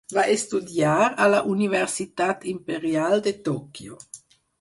Va estudiar a la Universitat Imperial de Tòquio.